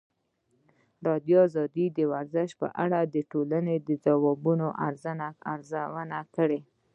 ازادي راډیو د ورزش په اړه د ټولنې د ځواب ارزونه کړې.